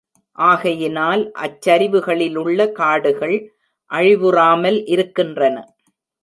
ஆகையினால் அச்சரிவுகளிலுள்ள காடுகள் அழிவுறாமல் இருக்கின்றன.